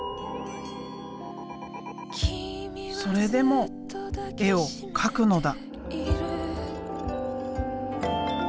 それでも絵を描くのだ！